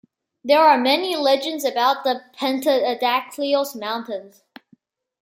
There are many legends about the Pentadactylos mountains.